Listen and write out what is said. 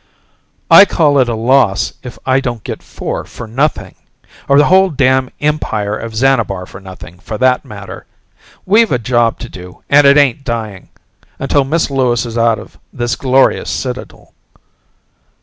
"I call it a loss if I don't get four for nothing or the whole damned Empire of Xanabar for nothing, for that matter. We've a job to do and it ain't dying until Miss Lewis is out of this glorious citadel."